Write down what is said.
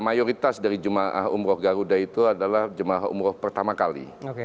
mayoritas dari jemaah umroh garuda itu adalah jemaah umroh pertama kali